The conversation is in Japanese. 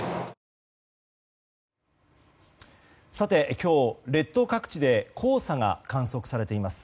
今日、列島各地で黄砂が観測されています。